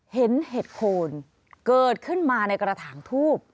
เห็ดโคนเกิดขึ้นมาในกระถางทูบ